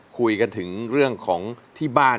คุยกันถึงเรื่องของที่บ้าน